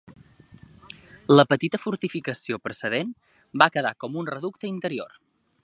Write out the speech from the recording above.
La petita fortificació precedent va quedar com un reducte interior.